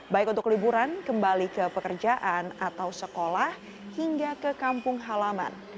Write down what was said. baik untuk liburan kembali ke pekerjaan atau sekolah hingga ke kampung halaman